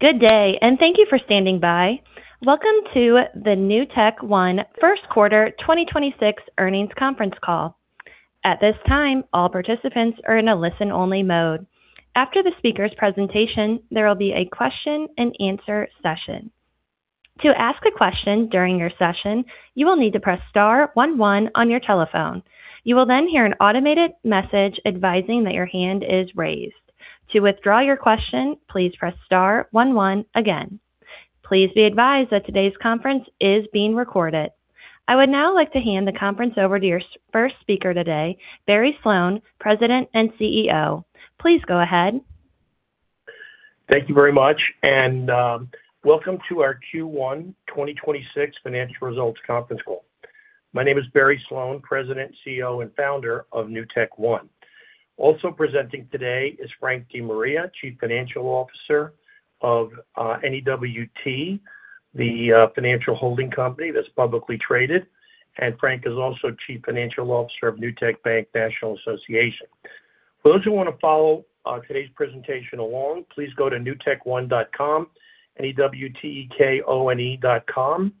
Good day, and thank you for standing by. Welcome to the NewtekOne Q1 2026 earnings conference call. At this time, all participants are in a listen-only mode. After the speaker's presentation, there will be a question-and-answer session. To ask a question during your session, you will need to press star one one on your telephone. You will then hear an automated message advising that your hand is raised. To withdraw your question, please press star one one again. Please be advised that today's conference is being recorded. I would now like to hand the conference over to your first speaker today, Barry Sloane, President and CEO. Please go ahead. Thank you very much. Welcome to our Q1 2026 financial results conference call. My name is Barry Sloane, President, CEO, and founder of NewtekOne. Also presenting today is Frank DeMaria, Chief Financial Officer of NEWT, the financial holding company that's publicly traded. Frank is also Chief Financial Officer of Newtek Bank, National Association. For those who wanna follow today's presentation along, please go to newtekone.com, N-E-W-T-E-K-O-N-E dot com.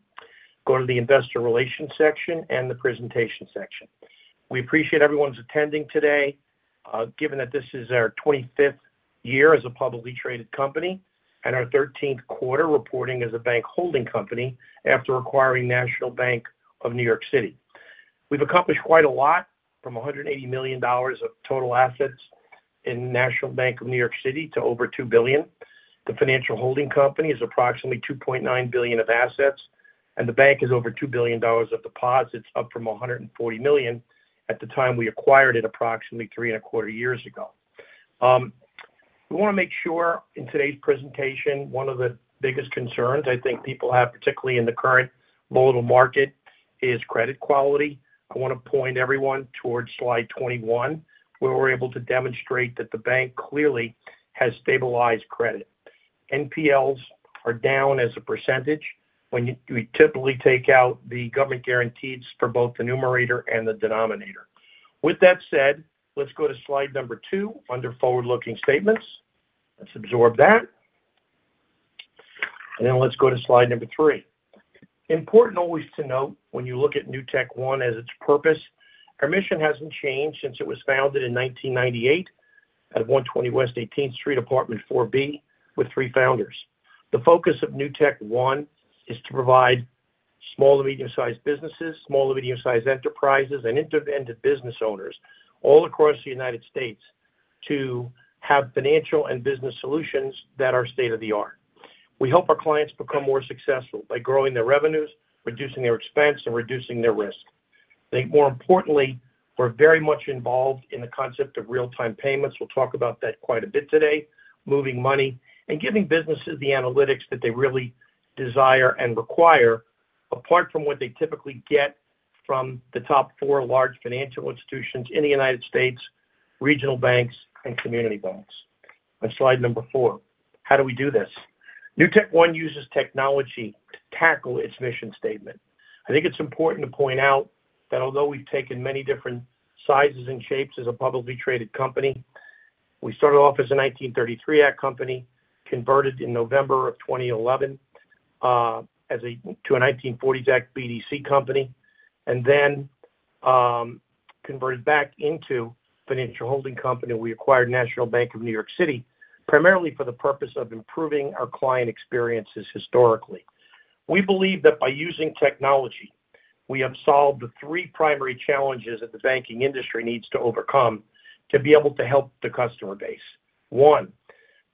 Go to the investor relations section and the presentation section. We appreciate everyone's attending today, given that this is our 25th year as a publicly traded company and our Q13 reporting as a bank holding company after acquiring National Bank of New York City. We've accomplished quite a lot from $180 million of total assets in National Bank of New York City to over $2 billion. The financial holding company is approximately $2.9 billion of assets, and the bank has over $2 billion of deposits, up from $140 million at the time we acquired it approximately three and a quarter years ago. We wanna make sure in today's presentation, one of the biggest concerns I think people have, particularly in the current volatile market, is credit quality. I wanna point everyone towards slide 21, where we're able to demonstrate that the bank clearly has stabilized credit. NPLs are down as a percentage when we typically take out the government guarantees for both the numerator and the denominator. With that said, let's go to slide number two under forward-looking statements. Let's absorb that. Let's go to slide number three. Important always to note when you look at NewtekOne as its purpose, our mission hasn't changed since it was founded in 1998 at 120 West 18th Street, Apartment 4B, with three founders. The focus of NewtekOne is to provide small to medium-sized businesses, small to medium-sized enterprises, and independent business owners all across the United States to have financial and business solutions that are state-of-the-art. We help our clients become more successful by growing their revenues, reducing their expense, and reducing their risk. I think more importantly, we're very much involved in the concept of real-time payments. We'll talk about that quite a bit today, moving money and giving businesses the analytics that they really desire and require apart from what they typically get from the top four large financial institutions in the United States, regional banks, and community banks. On slide number four, how do we do this? NewtekOne uses technology to tackle its mission statement. I think it's important to point out that although we've taken many different sizes and shapes as a publicly traded company, we started off as a 1933 Act company, converted in November of 2011 to a 1940 Act BDC company and then converted back into financial holding company. We acquired National Bank of New York City primarily for the purpose of improving our client experiences historically. We believe that by using technology, we have solved the three primary challenges that the banking industry needs to overcome to be able to help the customer base. One,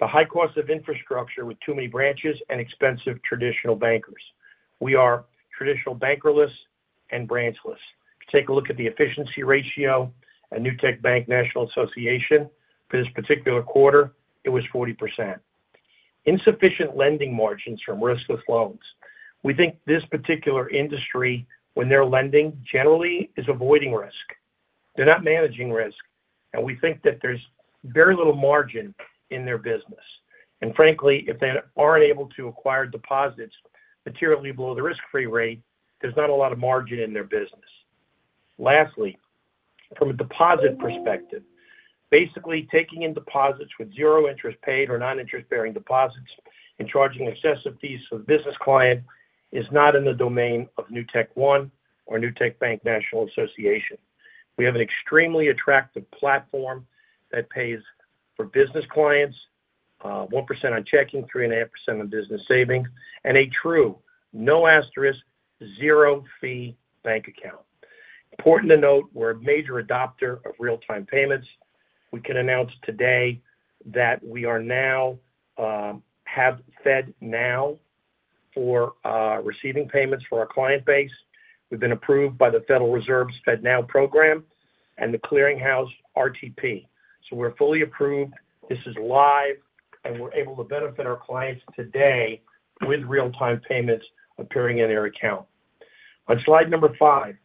the high cost of infrastructure with too many branches and expensive traditional bankers. We are traditional bankerless and branchless. You take a look at the efficiency ratio at Newtek Bank National Association for this particular quarter, it was 40%. Insufficient lending margins from riskless loans. We think this particular industry, when they're lending, generally is avoiding risk. They're not managing risk. We think that there's very little margin in their business. Frankly, if they aren't able to acquire deposits materially below the risk-free rate, there's not a lot of margin in their business. Lastly, from a deposit perspective, basically taking in deposits with zero interest paid or non-interest-bearing deposits and charging excessive fees to the business client is not in the domain of NewtekOne or Newtek Bank National Association. We have an extremely attractive platform that pays for business clients, 1% on checking, 3.5% on business savings, and a true no asterisk, zero fee bank account. Important to note, we're a major adopter of real-time payments. We can announce today that we are now have FedNow for receiving payments for our client base. We've been approved by the Federal Reserve's FedNow program and The Clearing House RTP. We're fully approved. This is live, and we're able to benefit our clients today with real-time payments appearing in their account. On slide number five,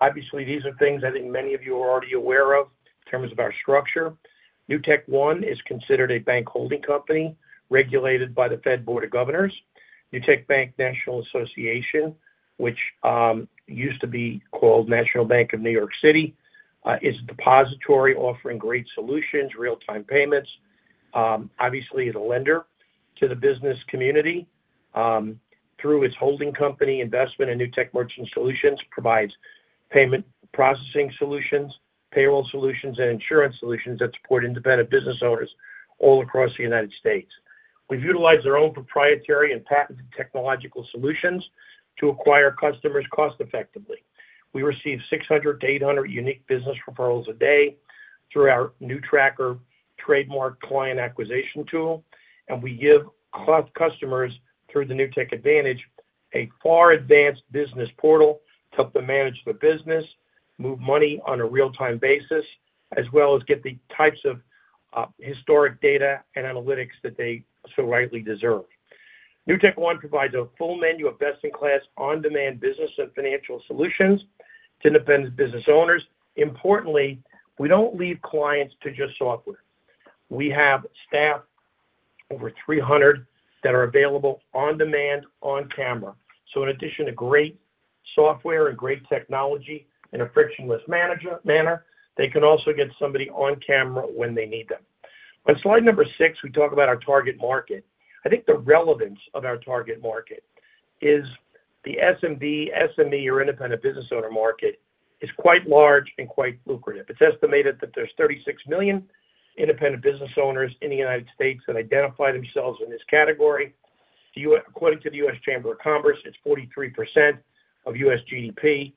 obviously, these are things I think many of you are already aware of in terms of our structure. NewtekOne is considered a bank holding company regulated by the Fed Board of Governors. Newtek Bank, National Association, which used to be called National Bank of New York City. It's a depository offering great solutions, real-time payments. Obviously, as a lender to the business community, through its holding company investment in Newtek Merchant Solutions provides payment processing solutions, payroll solutions, and insurance solutions that support independent business owners all across the U.S. We've utilized our own proprietary and patented technological solutions to acquire customers cost effectively. We receive 600 to 800 unique business referrals a day through our NewTracker client acquisition tool, and we give customers, through the Newtek Advantage, a far advanced business portal to help them manage their business, move money on a real-time basis, as well as get the types of historic data and analytics that they so rightly deserve. NewtekOne provides a full menu of best-in-class, on-demand business and financial solutions to independent business owners. Importantly, we don't leave clients to just software. We have staff over 300 that are available on demand, on camera. In addition to great software and great technology in a frictionless manner, they can also get somebody on camera when they need them. On slide number six, we talk about our target market. I think the relevance of our target market is the SMB, SME, or independent business owner market is quite large and quite lucrative. It's estimated that there's 36 million independent business owners in the United States that identify themselves in this category. According to the U.S. Chamber of Commerce, it's 43% of U.S. GDP.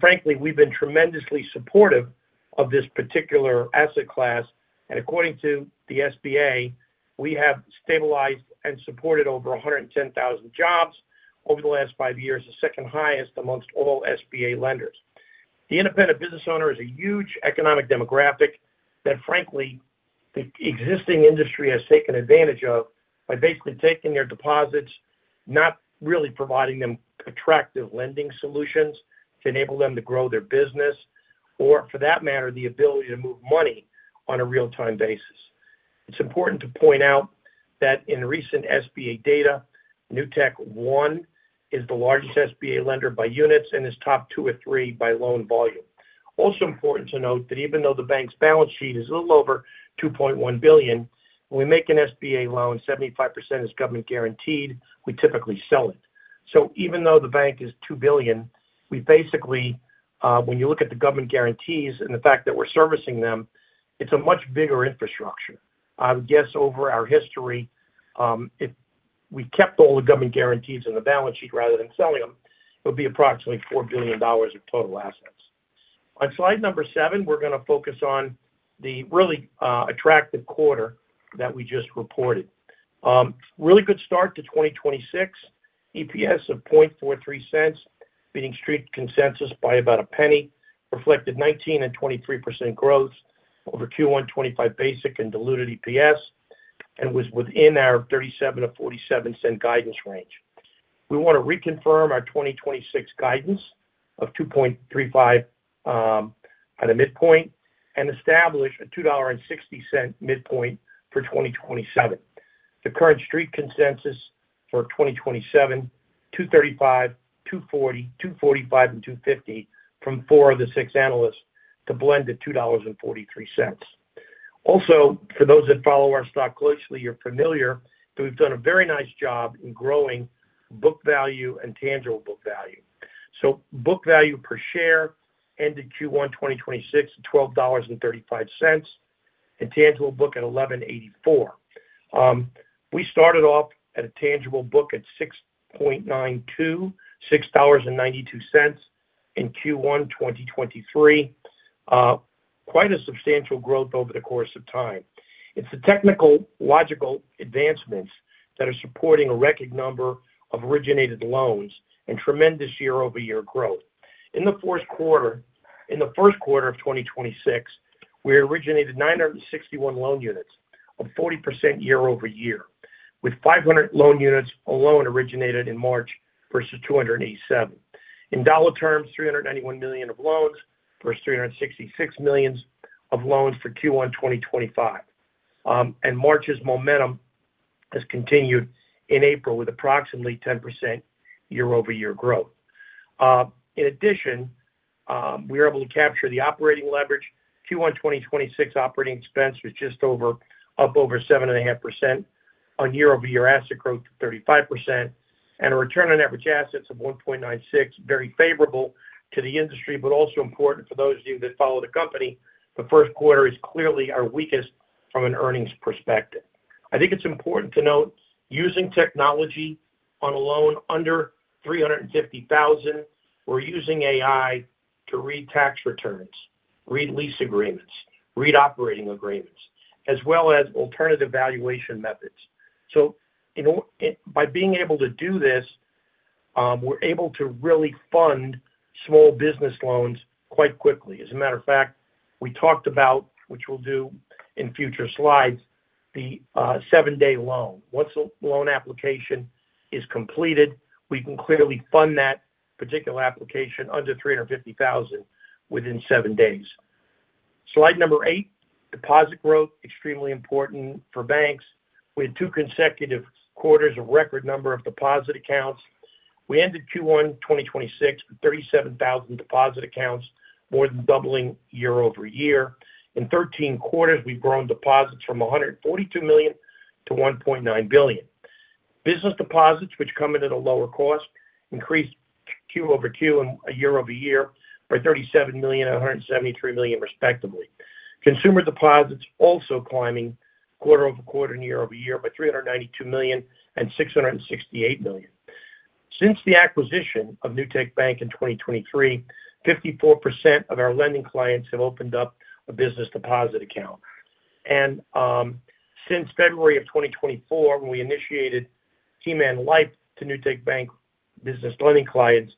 Frankly, we've been tremendously supportive of this particular asset class. According to the SBA, we have stabilized and supported over 110,000 jobs over the last five years, the second highest amongst all SBA lenders. The independent business owner is a huge economic demographic that, frankly, the existing industry has taken advantage of by basically taking their deposits, not really providing them attractive lending solutions to enable them to grow their business, or for that matter, the ability to move money on a real-time basis. It's important to point out that in recent SBA data, NewtekOne is the largest SBA lender by units and is top two or three by loan volume. Important to note that even though the bank's balance sheet is a little over $2.1 billion, when we make an SBA loan, 75% is government guaranteed. We typically sell it. Even though the bank is $2 billion, we basically, when you look at the government guarantees and the fact that we're servicing them, it's a much bigger infrastructure. I would guess over our history, if we kept all the government guarantees in the balance sheet rather than selling them, it would be approximately $4 billion of total assets. On slide seven, we are going to focus on the really attractive quarter that we just reported. Really good start to 2026. EPS of $0.43, beating street consensus by about $0.01, reflected 19% and 23% growth over Q1 2025 basic and diluted EPS, and was within our $0.37-$0.47 guidance range. We want to reconfirm our 2026 guidance of $2.35 at a midpoint and establish a $2.60 midpoint for 2027. The current street consensus for 2027, $2.35, $2.40, $2.45, and $2.50 from four of the six analysts to blend at $2.43. For those that follow our stock closely, you're familiar that we've done a very nice job in growing book value and tangible book value. Book value per share ended Q1 2026 at $12.35 and tangible book at $11.84. We started off at a tangible book at $6.92, $6.92 in Q1 2023. Quite a substantial growth over the course of time. It's the technological advancements that are supporting a record number of originated loans and tremendous year-over-year growth. In the Q1 of 2026, we originated 961 loan units of 40% year-over-year, with 500 loan units alone originated in March versus 287. In dollar terms, $391 million of loans versus $366 million of loans for Q1 2025. March's momentum has continued in April with approximately 10% year-over-year growth. In addition, we were able to capture the operating leverage. Q1 2026 operating expense was up over 7.5% on year-over-year asset growth of 35%. A return on average assets of 1.96, very favorable to the industry, but also important for those of you that follow the company. The Q1 is clearly our weakest from an earnings perspective. I think it's important to note using technology on a loan under $350,000, we're using AI to read tax returns, read lease agreements, read operating agreements, as well as alternative valuation methods. By being able to do this, we're able to really fund small business loans quite quickly. As a matter of fact, we talked about, which we'll do in future slides, the seven-day loan. Once a loan application is completed, we can clearly fund that particular application under $350,000 within seven days. Slide number eight, deposit growth, extremely important for banks. We had two consecutive quarters of record number of deposit accounts. We ended Q1 2026 with 37,000 deposit accounts, more than doubling year-over-year. In 13 quarters, we've grown deposits from $142 million-$1.9 billion. Business deposits, which come in at a lower cost, increased Q-over-Q and year-over-year by $37 million and $173 million respectively. Consumer deposits also climbing quarter-over-quarter and year-over-year by $392 million and $668 million. Since the acquisition of Newtek Bank in 2023, 54% of our lending clients have opened up a business deposit account. Since February of 2024, when we initiated Term Life Insurance to Newtek Bank business lending clients,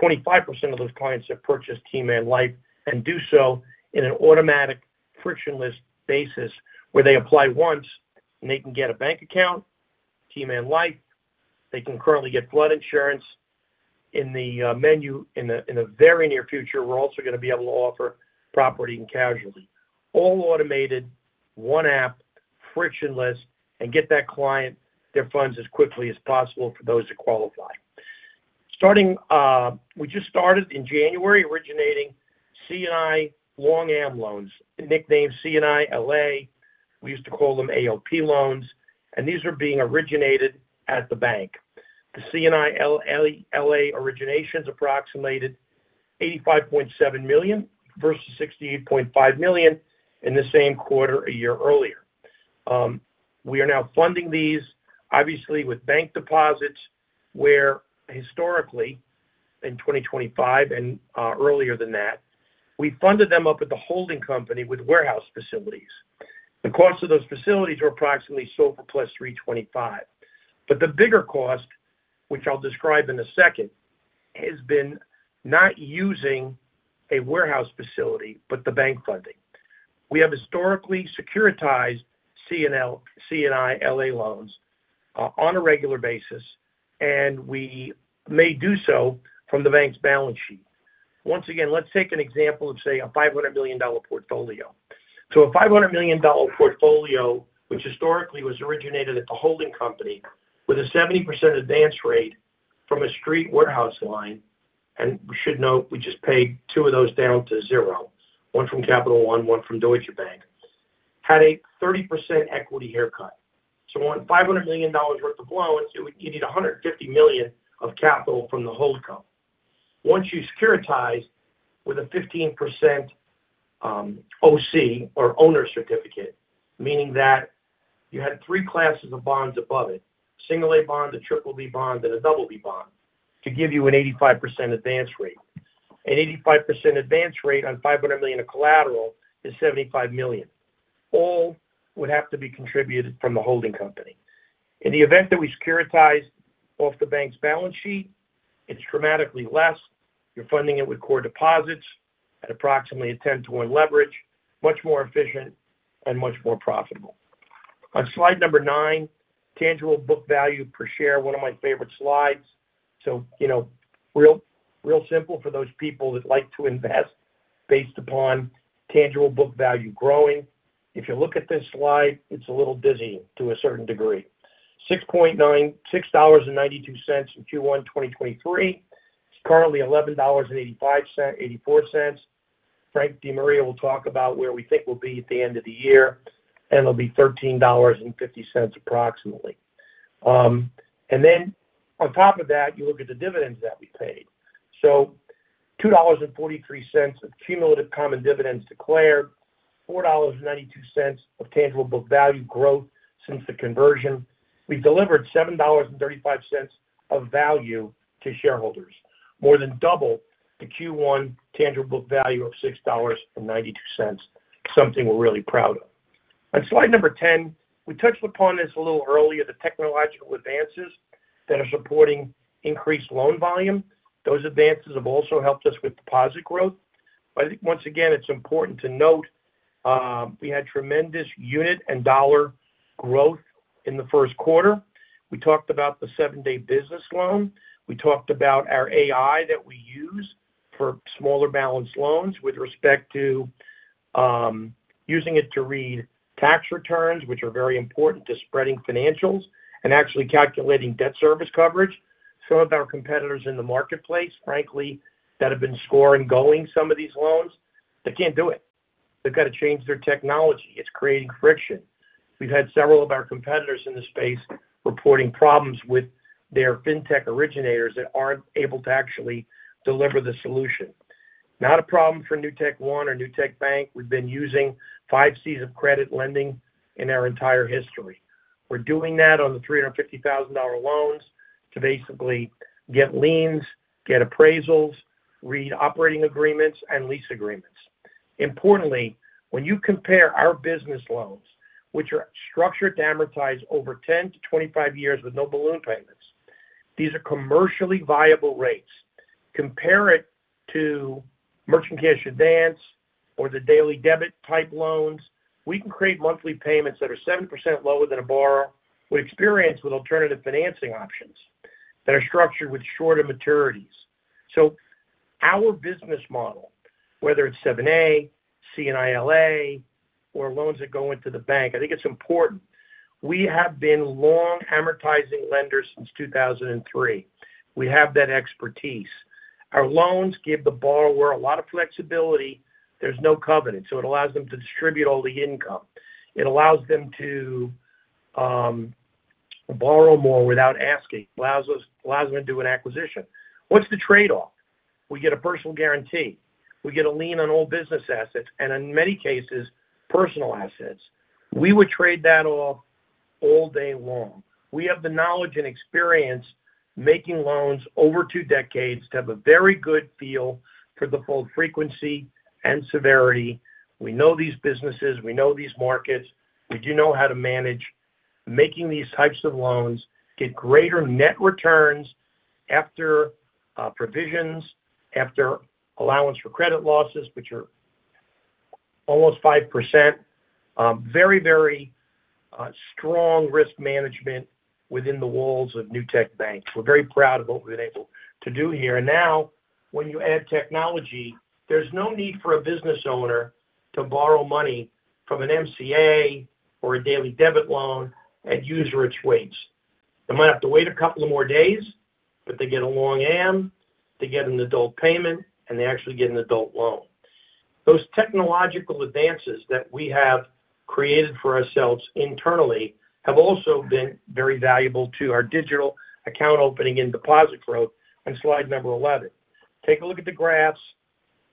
25% of those clients have purchased Term Life Insurance and do so in an automatic frictionless basis where they apply once and they can get a bank account, Term Life Insurance. They can currently get flood insurance in the menu. In a very near future, we're also gonna be able to offer property and casualty. All automated, one app, frictionless, and get that client their funds as quickly as possible for those that qualify. Starting, we just started in January originating C&I Long Am loans, nicknamed C&I LA. We used to call them ALP loans. These are being originated at the bank. The C&I LA originations approximated $85.7 million versus $68.5 million in the same quarter a year earlier. We are now funding these obviously with bank deposits, where historically in 2025 and earlier than that, we funded them up at the holding company with warehouse facilities. The cost of those facilities were approximately SOFR +325. The bigger cost, which I'll describe in a second, has been not using a warehouse facility, but the bank funding. We have historically securitized C&I LA loans on a regular basis, and we may do so from the bank's balance sheet. Once again, let's take an example of, say, a $500 million portfolio. A $500 million portfolio, which historically was originated at the holding company with a 70% advance rate from a street warehouse line, and we should note, we just paid two of those down to zero, one from Capital One, one from Deutsche Bank, had a 30% equity haircut. On $500 million worth of loans, you would need $150 million of capital from the hold co. Once you securitize with a 15% OC or owner certificate, meaning that you had three classes of bonds above it, single A bond, a triple B bond, and a double B bond to give you an 85% advance rate. An 85% advance rate on $500 million of collateral is $75 million. All would have to be contributed from the holding company. In the event that we securitize off the bank's balance sheet, it's dramatically less. You're funding it with core deposits at approximately 10-one leverage. Much more efficient and much more profitable. On slide number nine, tangible book value per share, one of my favorite slides. You know, real simple for those people that like to invest based upon tangible book value growing. If you look at this slide, it's a little dizzy to a certain degree. $6.92 in Q1 2023. It's currently $11.84. Frank DeMaria will talk about where we think we'll be at the end of the year, and it'll be $13.50 approximately. Then on top of that, you look at the dividends that we paid. $2.43 of cumulative common dividends declared. $4.92 of tangible book value growth since the conversion. We've delivered $7.35 of value to shareholders. More than double the Q1 tangible book value of $6.92. Something we're really proud of. On slide number 10, we touched upon this a little earlier, the technological advances that are supporting increased loan volume. Those advances have also helped us with deposit growth. I think, once again, it's important to note, we had tremendous unit and dollar growth in the Q1. We talked about the seven-day business loan. We talked about our AI that we use for smaller balance loans with respect to, using it to read tax returns, which are very important to spreading financials and actually calculating debt service coverage. Some of our competitors in the marketplace, frankly, that have been score and going some of these loans, they can't do it. They've got to change their technology. It's creating friction. We've had several of our competitors in the space reporting problems with their fintech originators that aren't able to actually deliver the solution. Not a problem for NewtekOne or Newtek Bank. We've been using Five Cs of Credit lending in our entire history. We're doing that on the $350,000 loans to basically get liens, get appraisals, read operating agreements, and lease agreements. Importantly, when you compare our business loans, which are structured to amortize over 10-25 years with no balloon payments, these are commercially viable rates. Compare it to merchant cash advance or the daily debit type loans. We can create monthly payments that are 7% lower than a borrower would experience with alternative financing options that are structured with shorter maturities. Our business model, whether it's 7(a), C&I LA or loans that go into the bank, I think it's important. We have been long amortizing lenders since 2003. We have that expertise. Our loans give the borrower a lot of flexibility. There's no covenant, so it allows them to distribute all the income. It allows them to borrow more without asking. Allows them to do an acquisition. What's the trade-off? We get a personal guarantee. We get a lien on all business assets and in many cases, personal assets. We would trade that off all day long. We have the knowledge and experience making loans over two decades to have a very good feel for the full frequency and severity. We know these businesses, we know these markets. We do know how to manage making these types of loans get greater net returns after provisions, after allowance for credit losses, which are almost 5%. Very strong risk management within the walls of Newtek Bank. We're very proud of what we've been able to do here. Now when you add technology, there's no need for a business owner to borrow money from an MCA or a daily debit loan at usurious rates. They might have to wait a couple of more days, but they get a long AM, they get an adult payment, and they actually get an adult loan. Those technological advances that we have created for ourselves internally have also been very valuable to our digital account opening and deposit growth on slide number 11. Take a look at the graphs.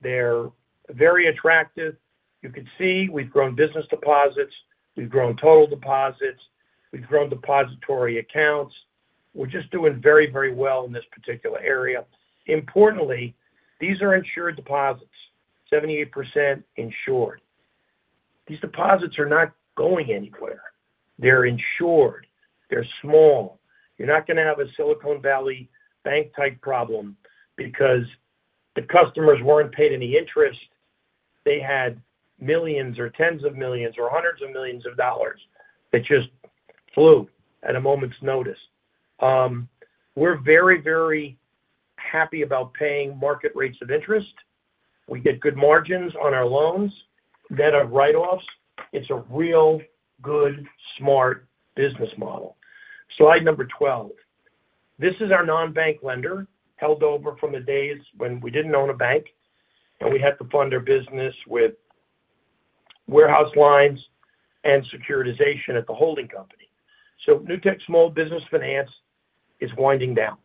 They're very attractive. You can see we've grown business deposits, we've grown total deposits, we've grown depository accounts. We're just doing very, very well in this particular area. Importantly, these are insured deposits, 78% insured. These deposits are not going anywhere. They're insured, they're small. You're not gonna have a Silicon Valley Bank type problem because the customers weren't paid any interest. They had millions or tens of millions or hundreds of millions of dollars that just flew at a moment's notice. We're very, very happy about paying market rates of interest. We get good margins on our loans that are write-offs. It's a real good, smart business model. Slide number 12. This is our non-bank lender held over from the days when we didn't own a bank, and we had to fund our business with warehouse lines and securitization at the holding company. Newtek Small Business Finance is winding down.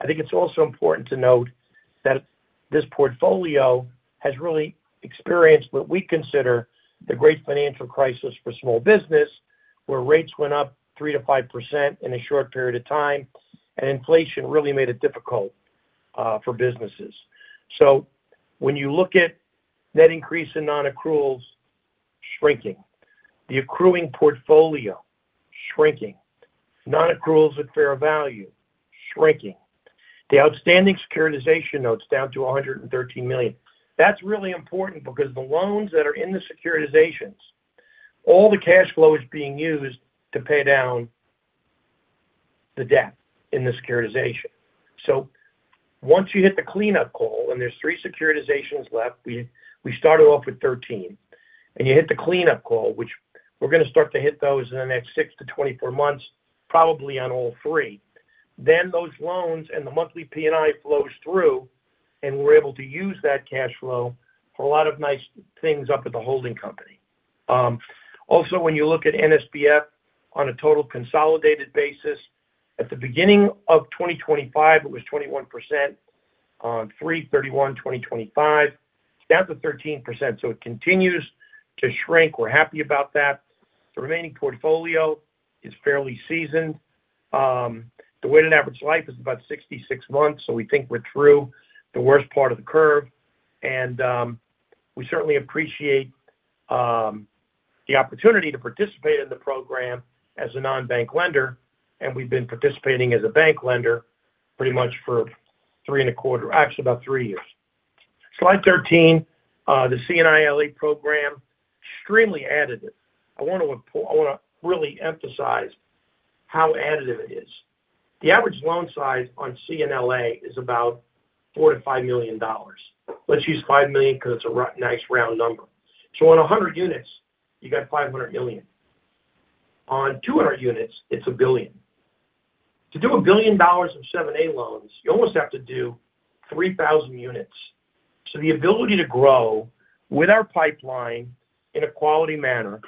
I think it's also important to note that this portfolio has really experienced what we consider the great financial crisis for small business, where rates went up 3%-5% in a short period of time, and inflation really made it difficult for businesses. When you look at net increase in non-accruals, shrinking. The accruing portfolio, shrinking. Non-accruals at fair value, shrinking. The outstanding securitization notes down to $113 million. That's really important because the loans that are in the securitizations, all the cash flow is being used to pay down the debt in the securitization. Once you hit the cleanup call, and there's three securitizations left, we started off with 13, and you hit the cleanup call, which we're gonna start to hit those in the next six-24 months, probably on all three. Those loans and the monthly P&I flows through, and we're able to use that cash flow for a lot of nice things up at the holding company. Also when you look at NSBF on a total consolidated basis, at the beginning of 2025, it was 21% on March 31 2025. It's down to 13%, so it continues to shrink. We're happy about that. The remaining portfolio is fairly seasoned. The weighted average life is about 66 months, so we think we're through the worst part of the curve. We certainly appreciate the opportunity to participate in the program as a non-bank lender, and we've been participating as a bank lender pretty much for three and a quarter actually about three years. Slide 13, the C&I LA program, extremely additive. I want to really emphasize how additive it is. The average loan size on C&I LA is about $4 million-$5 million. Let's use $5 million because it's a nice round number. So on 100 units, you have $500 million. On 200 units, it's $1 billion. To do $1 billion in 7(a) loans, you almost have to do 3,000 units. So the ability to grow with our pipeline in a quality manner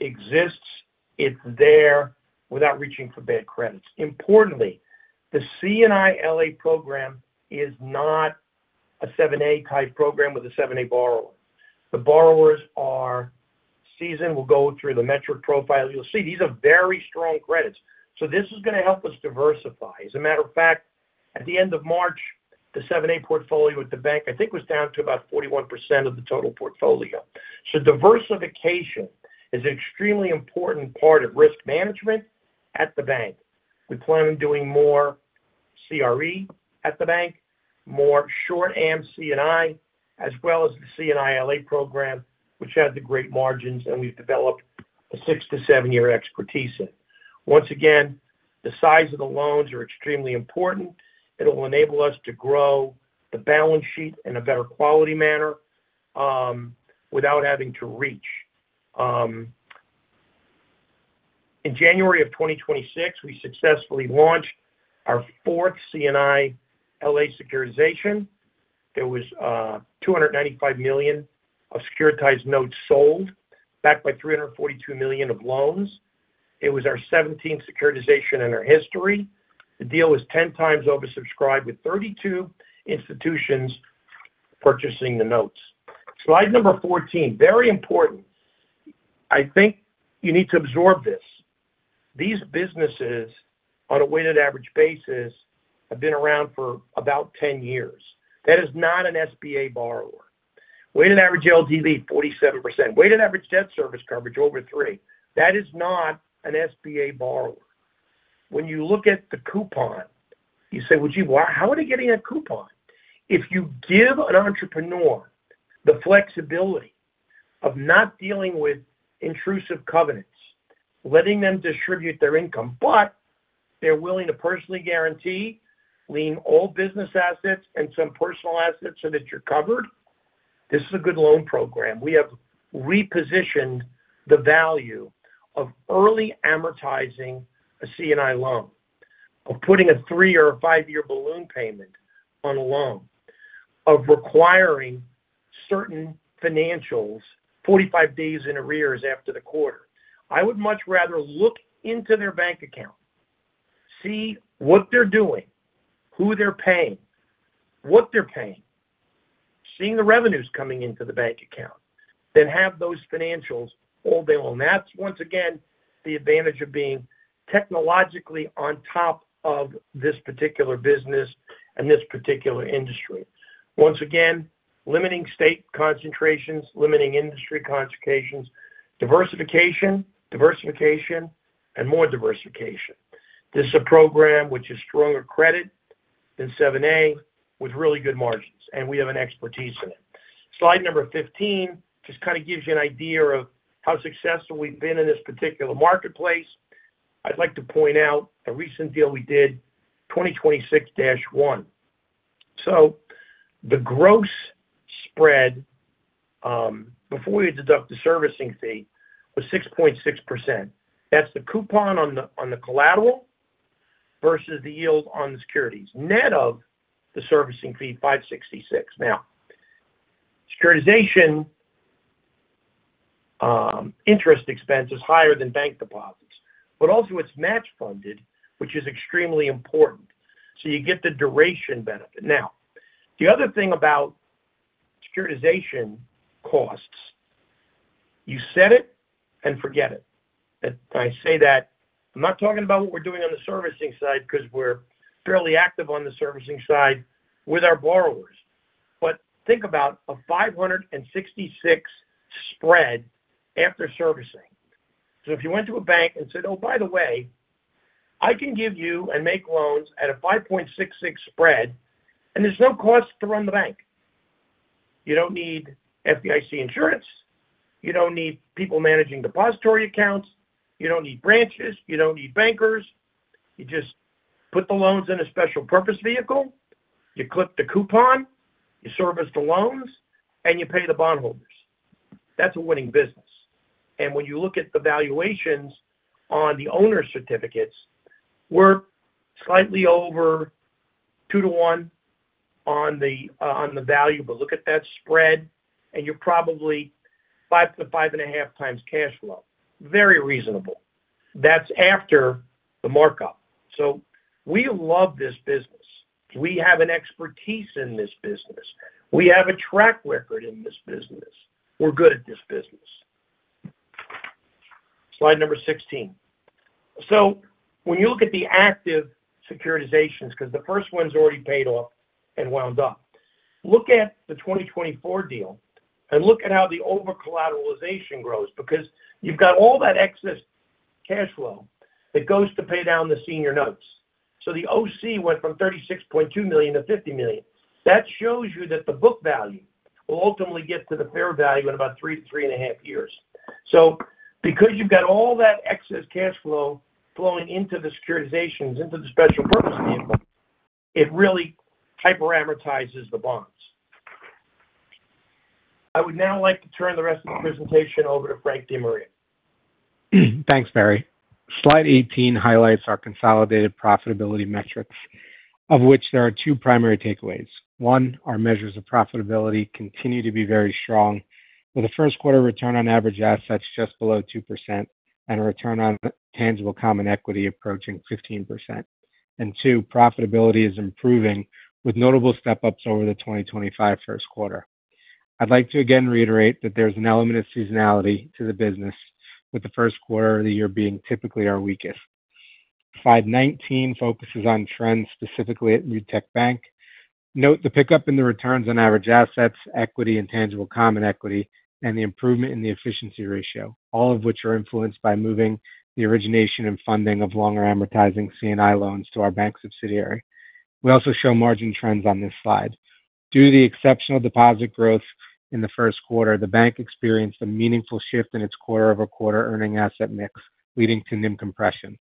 exists. It's there without reaching for bad credits. Importantly, the C&I LA program is not a 7(a) type program with a 7(a) borrower. The borrowers are seasoned. We'll go through the metric profiles. You'll see these are very strong credits. So this is going to help us diversify. As a matter of fact, at the end of March, the 7(a) portfolio at the bank, I think, was down to about 41% of the total portfolio. Diversification is an extremely important part of risk management at the bank. We plan on doing more CRE at the bank. More short-am C&I, as well as the C&I LA program, which had the great margins, and we've developed a six-seven-year expertise in. Once again, the size of the loans are extremely important. It'll enable us to grow the balance sheet in a better quality manner, without having to reach. In January of 2026, we successfully launched our fourth C&I LA securitization. There was $295 million of securitized notes sold, backed by $342 million of loans. It was our 17th securitization in our history. The deal was 10x oversubscribed with 32 institutions purchasing the notes. Slide number 14. Very important. I think you need to absorb this. These businesses, on a weighted average basis, have been around for about 10 years. That is not an SBA borrower. Weighted average LD lead, 47%. Weighted average debt service coverage, over three. That is not an SBA borrower. When you look at the coupon, you say, "Well, gee, how are they getting a coupon?" If you give an entrepreneur the flexibility of not dealing with intrusive covenants, letting them distribute their income, but they're willing to personally guarantee, lien all business assets and some personal assets so that you're covered, this is a good loan program. We have repositioned the value of early amortizing a C&I loan, of putting a three or a five-year balloon payment on a loan, of requiring certain financials 45 days in arrears after the quarter. I would much rather look into their bank account, see what they're doing, who they're paying, what they're paying, seeing the revenues coming into the bank account than have those financials all day long. That's, once again, the advantage of being technologically on top of this particular business and this particular industry. Once again, limiting state concentrations, limiting industry concentrations, diversification, and more diversification. This is a program which is stronger credit than 7(a) with really good margins, and we have an expertise in it. Slide number 15 just kind of gives you an idea of how successful we've been in this particular marketplace. I'd like to point out a recent deal we did, 2026-1. The gross spread, before you deduct the servicing fee, was 6.6%. That's the coupon on the, on the collateral versus the yield on the securities, net of the servicing fee, 566. Securitization interest expense is higher than bank deposits, but also it's match funded, which is extremely important. You get the duration benefit. The other thing about securitization costs, you set it and forget it. I say that. I'm not talking about what we're doing on the servicing side because we're fairly active on the servicing side with our borrowers. Think about a 566 spread after servicing. If you went to a bank and said, "Oh, by the way, I can give you and make loans at a 5.66 spread," there's no cost to run the bank. You don't need FDIC insurance. You don't need people managing depository accounts. You don't need branches. You don't need bankers. You just put the loans in a special purpose vehicle. You clip the coupon, you service the loans, and you pay the bondholders. That's a winning business. When you look at the valuations on the owner certificates, we're slightly over two-one on the value. Look at that spread, and you're probably 5x-5.5x cash flow. Very reasonable. That's after the markup. We love this business. We have an expertise in this business. We have a track record in this business. We're good at this business. Slide number 16. When you look at the active securitizations, because the first one's already paid off and wound up, look at the 2024 deal and look at how the over-collateralization grows because you've got all that excess cash flow that goes to pay down the senior notes. The OC went from $36.2 million-$50 million. That shows you that the book value will ultimately get to the fair value in about three-3.5 years. Because you've got all that excess cash flow flowing into the securitizations, into the special purpose vehicle, it really hyper-amortizes the bonds. I would now like to turn the rest of the presentation over to Frank DeMaria. Thanks, Barry Sloane. Slide 18 highlights our consolidated profitability metrics, of which there are two primary takeaways. One. Our measures of profitability continue to be very strong, with a Q1 return on average assets just below 2% and a return on tangible common equity approaching 15%. Two. Profitability is improving with notable step-ups over the 2025 Q1. I'd like to again reiterate that there's an element of seasonality to the business, with the Q1 of the year being typically our weakest. Slide 19 focuses on trends specifically at Newtek Bank, N.A. Note the pickup in the returns on average assets, equity, and tangible common equity, and the improvement in the efficiency ratio, all of which are influenced by moving the origination and funding of longer amortizing C&I loans to our bank subsidiary. We also show margin trends on this slide. Due to the exceptional deposit growth in the Q1, the bank experienced a meaningful shift in its quarter-over-quarter earning asset mix, leading to NIM compression.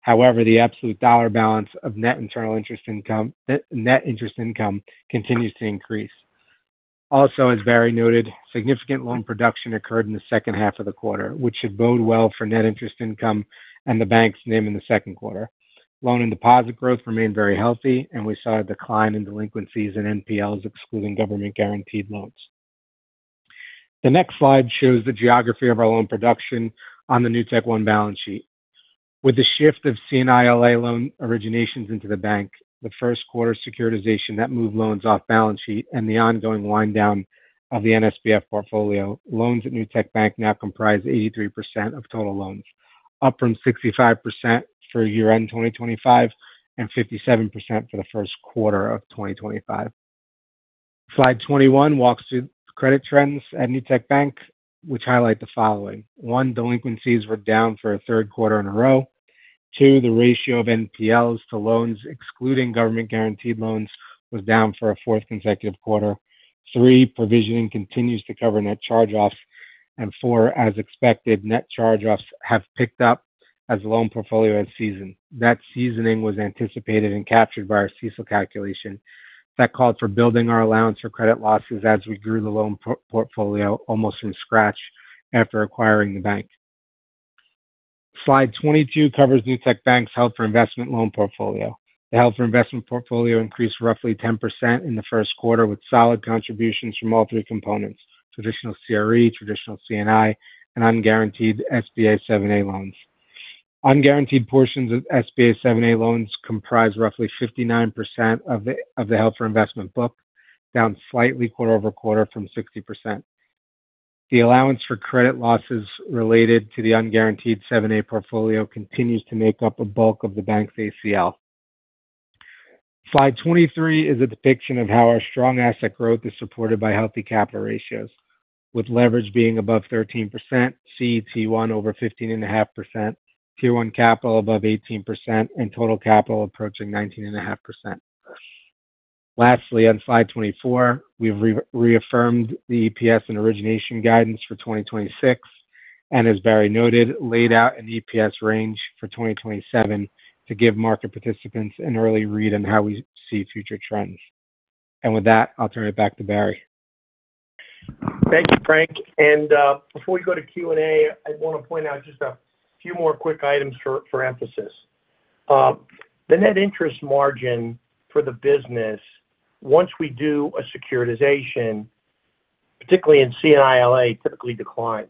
However, the absolute dollar balance of net interest income continues to increase. Also, as Barry noted, significant loan production occurred in the H2 of the quarter, which should bode well for net interest income and the bank's name in the Q2. Loan and deposit growth remained very healthy, and we saw a decline in delinquencies and NPLs, excluding government-guaranteed loans. The next slide shows the geography of our loan production on the NewtekOne balance sheet. With the shift of C&I LA loan originations into the bank, the Q1 securitization that moved loans off balance sheet and the ongoing wind down of the NSBF portfolio, loans at Newtek Bank now comprise 83% of total loans, up from 65% for year-end 2025 and 57% for the Q1 of 2025. Slide 21 walks through credit trends at Newtek Bank, which highlight the following. One. Delinquencies were down for a Q3 in a row. Two. The ratio of NPLs to loans, excluding government-guaranteed loans, was down for a fourth consecutive quarter. Three. Provisioning continues to cover net charge-offs. Four. As expected, net charge-offs have picked up as loan portfolio has seasoned. That seasoning was anticipated and captured by our CECL calculation. That called for building our Allowance for Credit Losses as we grew the loan portfolio almost from scratch after acquiring the bank. Slide 22 covers Newtek Bank's held for investment loan portfolio. The held for investment portfolio increased roughly 10% in the Q1, with solid contributions from all three components: traditional CRE, traditional C&I, and unguaranteed SBA 7(a) loans. Unguaranteed portions of SBA 7(a) loans comprise roughly 59% of the held for investment book, down slightly quarter-over-quarter from 60%. The Allowance for Credit Losses related to the unguaranteed 7(a) portfolio continues to make up a bulk of the bank's ACL. Slide 23 is a depiction of how our strong asset growth is supported by healthy capital ratios, with leverage being above 13%, CET1 over 15.5%, T1 capital above 18%, and total capital approaching 19.5%. Lastly, on slide 24, we've reaffirmed the EPS and origination guidance for 2026, and as Barry noted, laid out an EPS range for 2027 to give market participants an early read on how we see future trends. With that, I'll turn it back to Barry. Thank you, Frank. Before we go to Q&A, I want to point out just a few more quick items for emphasis. The net interest margin for the business, once we do a securitization, particularly in C&I LA, typically declines.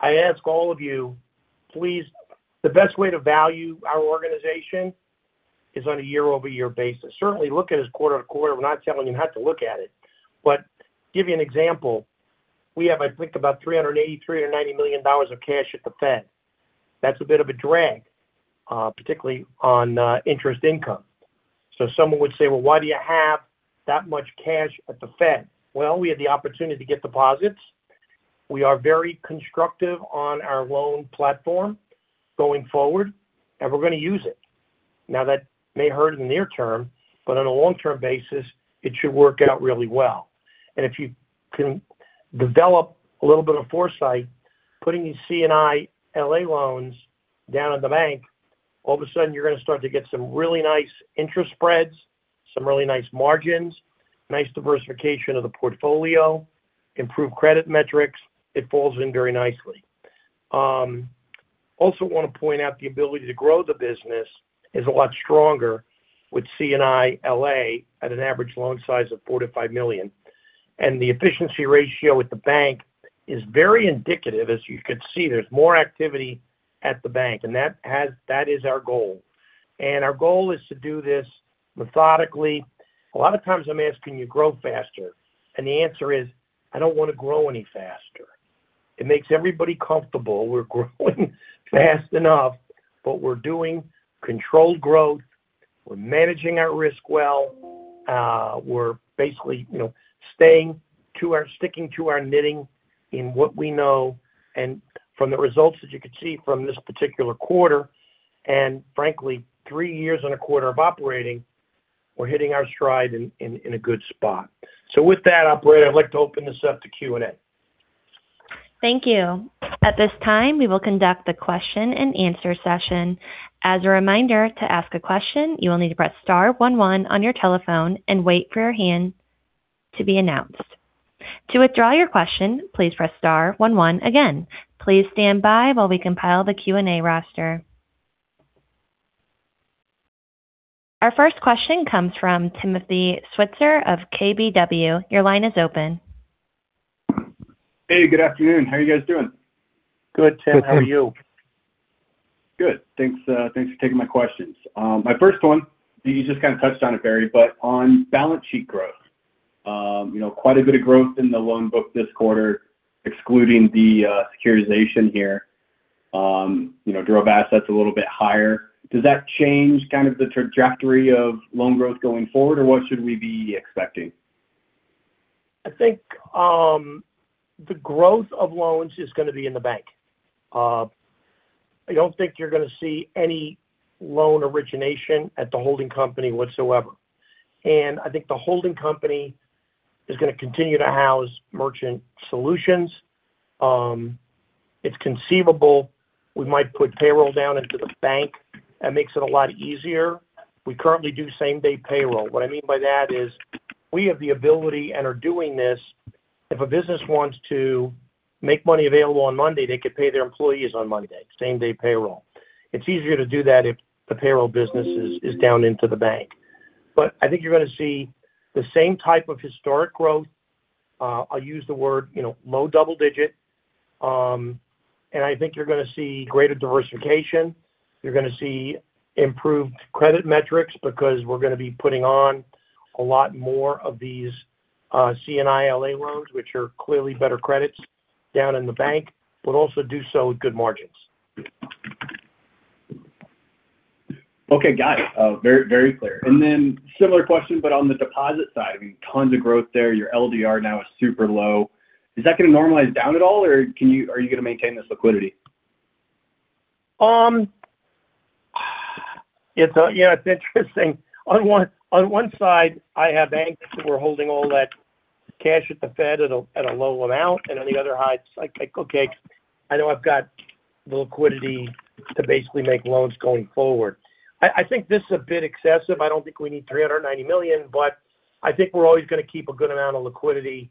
I ask all of you, please, the best way to value our organization is on a year-over-year basis. Certainly look at us quarter-to-quarter. We're not telling you not to look at it. Give you an example, we have, I think, about $383 million or $390 million of cash at the Fed. That's a bit of a drag, particularly on interest income. Someone would say, "Well, why do you have that much cash at the Fed?" Well, we have the opportunity to get deposits. We are very constructive on our loan platform going forward, and we're gonna use it. That may hurt in the near term, but on a long-term basis, it should work out really well. If you can develop a little bit of foresight, putting these C&I LA loans down at the bank, all of a sudden, you're going to start to get some really nice interest spreads, some really nice margins, nice diversification of the portfolio, improved credit metrics. It falls in very nicely. Also want to point out the ability to grow the business is a lot stronger with C&I LA at an average loan size of $45 million. The efficiency ratio at the bank is very indicative. As you can see, there's more activity at the bank, and that is our goal. Our goal is to do this methodically. A lot of times I'm asking you grow faster, and the answer is, I don't want to grow any faster. It makes everybody comfortable. We're growing fast enough, but we're doing controlled growth. We're managing our risk well. We're basically, you know, sticking to our knitting in what we know. From the results, as you can see from this particular quarter, and frankly, three years and a quarter of operating, we're hitting our stride in a good spot. With that, operator, I'd like to open this up to Q&A. Thank you. At this time, we will conduct the question-and-answer session. As a reminder, to ask a question, you will need to press star one one on your telephone and wait for your hand to be announced. To withdraw your question, please press star one one again. Please stand by while we compile the Q&A roster. Our first question comes from Tim Switzer of KBW. Your line is open. Hey, good afternoon. How are you guys doing? Good, Tim. How are you? Good. Thanks, thanks for taking my questions. My first one, I think you just kind of touched on it, Barry. On balance sheet growth, you know, quite a bit of growth in the loan book this quarter, excluding the securitization here, you know, drove assets a little bit higher. Does that change kind of the trajectory of loan growth going forward, or what should we be expecting? I think the growth of loans is going to be in the bank. I don't think you're going to see any loan origination at the holding company whatsoever. I think the holding company is going to continue to house Newtek Merchant Solutions. It's conceivable we might put payroll down into the bank. That makes it a lot easier. We currently do same-day payroll. What I mean by that is we have the ability and are doing this. If a business wants to make money available on Monday, they could pay their employees on Monday, same-day payroll. It's easier to do that if the payroll business is down into the bank. I think you're going to see the same type of historic growth. I'll use the word, you know, low double-digit. I think you're going to see greater diversification. You're gonna see improved credit metrics because we're gonna be putting on a lot more of these C&I LA loans, which are clearly better credits down in the bank, but also do so with good margins. Okay. Got it. Very, very clear. Similar question, but on the deposit side, I mean, tons of growth there. Your LDR now is super low. Is that gonna normalize down at all or are you gonna maintain this liquidity? It's interesting. On one side, I have banks that were holding all that cash at the Fed at a low amount, and on the other, I know I've got the liquidity to basically make loans going forward. I think this is a bit excessive. I don't think we need $390 million, but I think we're always gonna keep a good amount of liquidity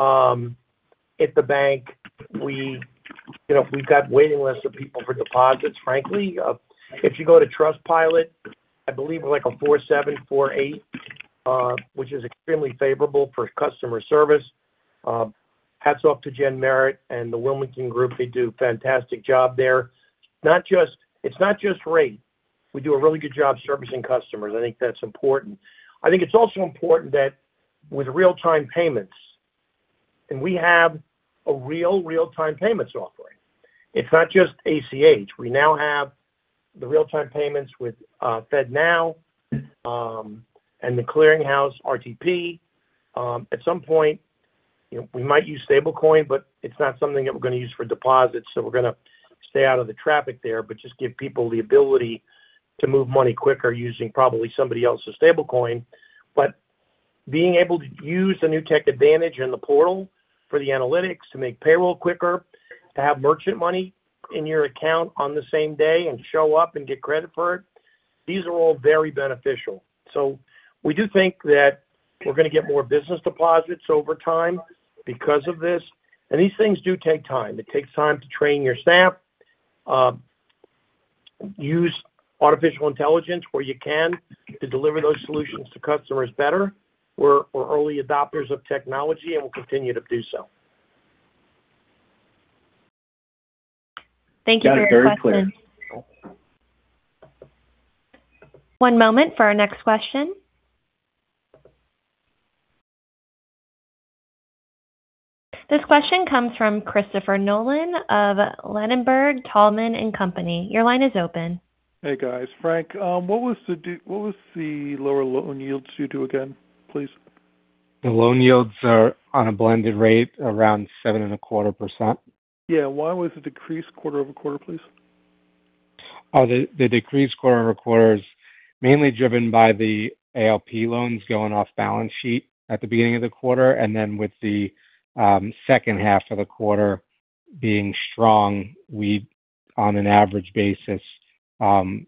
at the bank. We've got waiting lists of people for deposits, frankly. If you go to Trustpilot, I believe we're a 4.7, 4.8, which is extremely favorable for customer service. Hats off to Gene Merritt and the Wilmington Group. They do fantastic job there. It's not just rate. We do a really good job servicing customers. I think that's important. I think it's also important that with real-time payments, we have a real real-time payments offering. It's not just ACH. We now have the real-time payments with FedNow and the clearing house RTP. At some point, you know, we might use stablecoin, it's not something that we're gonna use for deposits, we're gonna stay out of the traffic there, just give people the ability to move money quicker using probably somebody else's stablecoin. Being able to use the Newtek Advantage in the portal for the analytics to make payroll quicker, to have merchant money in your account on the same day and show up and get credit for it, these are all very beneficial. We do think that we're gonna get more business deposits over time because of this. These things do take time. It takes time to train your staff, use artificial intelligence where you can to deliver those solutions to customers better. We're early adopters of technology, and we'll continue to do so. Thank you for your question. Yeah. Very clear. One moment for our next question. This question comes from Christopher Nolan of Ladenburg Thalmann & Co. Inc. Your line is open. Hey, guys. Frank, what was the lower loan yields you do again, please? The loan yields are on a blended rate around 7.25%. Yeah. Why was it decreased quarter-over-quarter, please? The decreased quarter-over-quarter is mainly driven by the ALP loans going off balance sheet at the beginning of the quarter. With the H2 of the quarter being strong, we, on an average basis,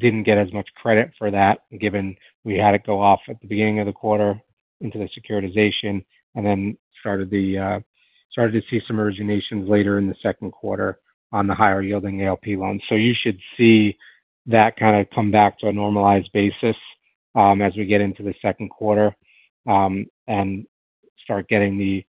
didn't get as much credit for that given we had it go off at the beginning of the quarter into the securitization and then started to see some originations later in the Q2 on the higher yielding ALP loans. You should see that kinda come back to a normalized basis, as we get into the Q2, and start getting the